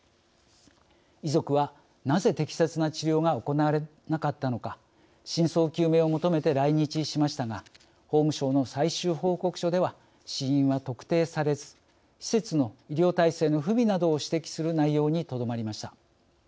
遺族は、なぜ適切な治療が行われなかったのか真相究明を求めて来日しましたが法務省の最終報告書では死因は特定されず施設の医療体制の不備などを指摘する内容にとどまりました。